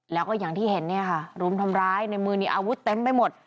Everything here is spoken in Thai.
แล้วก็อย่างที่เห็นเนี่ยค่ะรุมทำร้ายในมือนี้อาวุธเต็มไปหมด